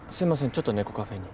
ちょっと猫カフェに。